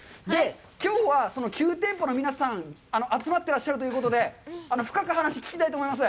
きょうはその９店舗の皆さんが集まってらっしゃるということで、深く話を聞きたいと思います。